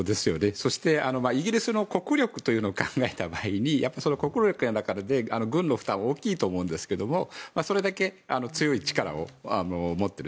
そして、イギリスの国力を考えた場合にやっぱり国力の中で軍の負担は大きいと思うんですがそれだけ強い力を持っている。